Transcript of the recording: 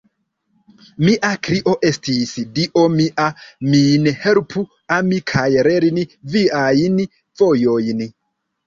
Mia krio estis, Dio mia, min helpu ami kaj lerni Viajn vojojn.